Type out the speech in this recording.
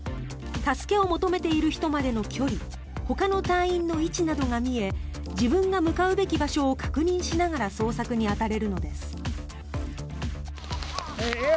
助けを求めている人までの距離ほかの隊員の位置などが見え自分が向かうべき場所を確認しながら捜索に当たれるのです。